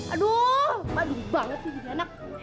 aduh badung banget sih